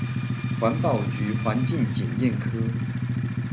環保局環境檢驗科